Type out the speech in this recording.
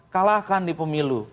kalahkan di pemilu